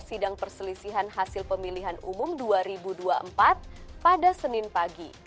sidang perselisihan hasil pemilihan umum dua ribu dua puluh empat pada senin pagi